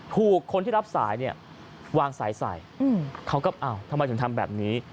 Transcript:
ถูกคนที่รับสายเนี่ยวางสายใส่เขาก็อ้าวทำไมถึงทำแบบนี้